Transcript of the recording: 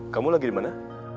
kamu lagi dimana